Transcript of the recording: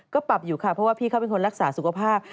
ก็ปรับอยู่ค่ะเพราะว่าพี่เขาเป็นคนรักษาสุขภาพ